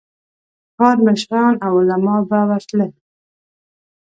ښار مشران او علماء به ورتلل.